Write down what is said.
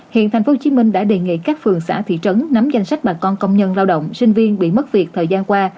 hiện tp hcm đã đề nghị các phường xã thị trấn nắm danh sách bà con công nhân lao động sinh viên bị mất việc thời gian qua